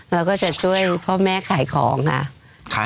เราก็จะช่วยพ่อแม่ขายของค่ะ